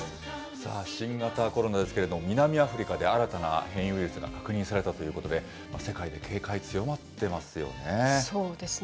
さあ、新型コロナですけれども、南アフリカで新たな変異ウイルスが確認されたということで、そうですね。